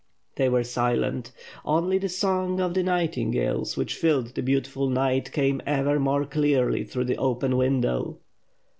They were silent. Only the song of the nightingales which filled the beautiful night came ever more clearly through the open window.